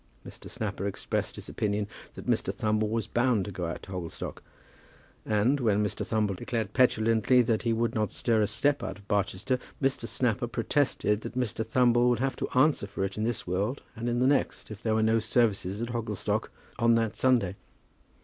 Mr. Snapper expressed his opinion that Mr. Thumble was bound to go out to Hogglestock; and, when Mr. Thumble declared petulantly that he would not stir a step out of Barchester, Mr. Snapper protested that Mr. Thumble would have to answer for it in this world and in the next if there were no services at Hogglestock on that Sunday.